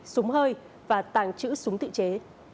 súng hơi và tàng trữ súng tự chế